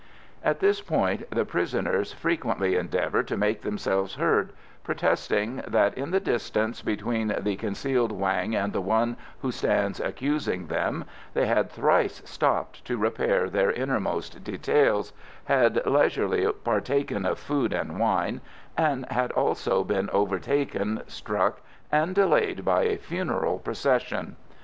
'" At this point the prisoners frequently endeavour to make themselves heard, protesting that in the distance between the concealed Wang and the one who stands accusing them they had thrice stopped to repair their innermost details, had leisurely partaken of food and wine, and had also been overtaken, struck, and delayed by a funeral procession.